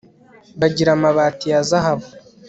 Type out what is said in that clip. bagira amabati ya zahabu